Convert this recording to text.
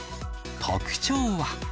特徴は。